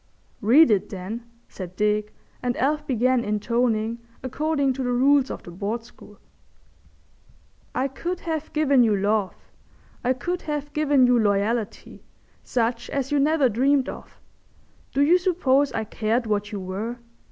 "Read it, then," said Dick, and Alf began intoning according to the rules of the Board School— "'_I could have given you love, I could have given you loyalty, such as you never dreamed of. Do you suppose I cared what you were?